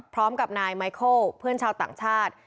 พร้อมกับนายไมเคิลเพื่อนชาวต่างชาติ